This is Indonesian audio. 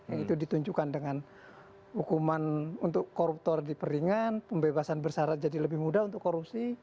yang itu ditunjukkan dengan hukuman untuk koruptor diperingan pembebasan bersarat jadi lebih mudah untuk korupsi